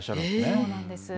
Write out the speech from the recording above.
そうなんです。